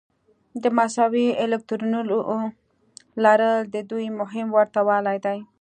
د مساوي الکترونونو لرل د دوی مهم ورته والی دی.